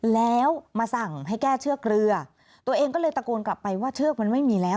แล้วมาสั่งให้แก้เชือกเรือตัวเองก็เลยตะโกนกลับไปว่าเชือกมันไม่มีแล้ว